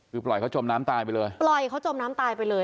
คือปล่อยเขาจมน้ำตายไปเลยปล่อยเขาจมน้ำตายไปเลย